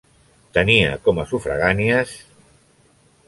Tenia com a sufragànies: